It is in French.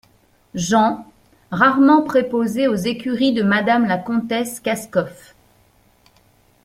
Jean. — Rarement… préposé aux écuries de Madame la Comtesse Kaskoff.